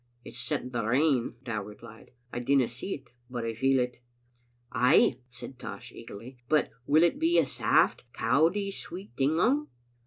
It's setting to rain," Dow replied. " I dinna see it, but I feel it." "Ay," said Tosh, eagerly, "but will it be a saft, cowdie sweet ding on?"